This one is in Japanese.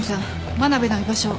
真鍋の居場所を。